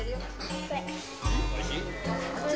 おいしい。